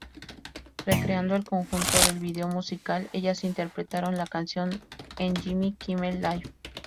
Recreando el conjunto del video musical, Ellas interpretaron la canción en Jimmy Kimmel Live!